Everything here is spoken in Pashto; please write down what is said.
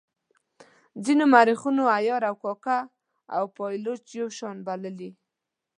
ځینو مورخینو عیار او کاکه او پایلوچ یو شان بللي.